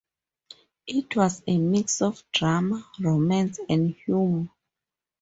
It was a mix of drama, romance and humor.